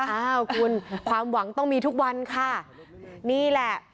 อ้าวคุณความหวังต้องมีทุกวันค่ะนี่แหละ